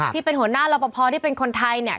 ที่เป็นหัวหน้ารอปภที่เป็นคนไทยเนี่ย